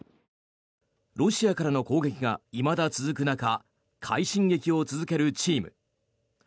ロシアからの攻撃がいまだ続く中快進撃を続けるチーム。